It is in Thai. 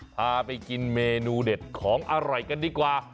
พาไปกินเมนูเด็ดของอร่อยกันดีกว่า